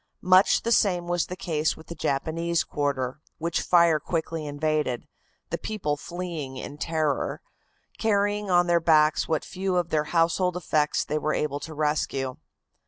Much the same was the case with the Japanese quarter, which fire quickly invaded, the people fleeing in terror, carrying on their backs what few of their household effects they were able to rescue.